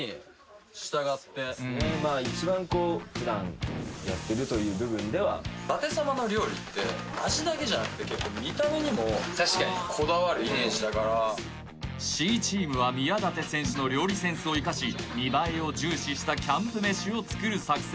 まあ一番こう普段やってるという部分ではだて様の料理って味だけじゃなくて結構見た目にもこだわるイメージだから確かにＣチームは宮舘選手の料理センスを生かし見栄えを重視したキャンプ飯を作る作戦